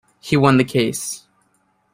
He won the case.